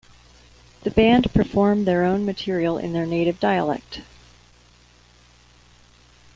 The band perform their own material in their native dialect.